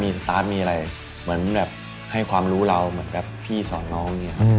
มีสตาร์ทมีอะไรเหมือนแบบให้ความรู้เราเหมือนแบบพี่สอนน้อง